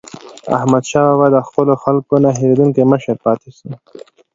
احمدشاه بابا د خپلو خلکو نه هېریدونکی مشر پاتې سو.